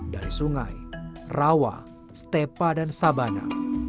dari sungai rawa stepa dan sabana